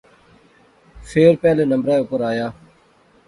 فیر پہلے نمبرے اوپر آیا